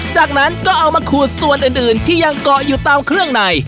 จากนั้นก็เอามาขูดส่วนอื่นที่ยังเกาะอยู่ตามเครื่องใน